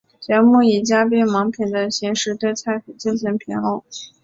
节目以嘉宾盲品的形式对菜品进行评论。